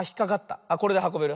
あっこれではこべる。